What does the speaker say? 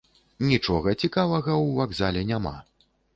Нічога цікавага ў вакзале няма.